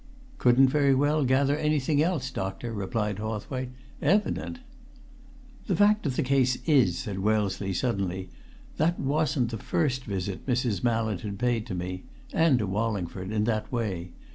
"Couldn't very well gather anything else, doctor!" replied Hawthwaite. "Evident!" "The fact of the case is," said Wellesley suddenly, "that wasn't the first visit Mrs. Mallett had paid to me and to Wallingford in that way.